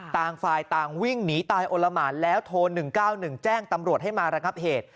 ต่างฝ่ายต่างวิ่งหนีตายโอละหมานแล้วโทร๑๙๑แจ้งตำรวจให้มาระงับเหตุ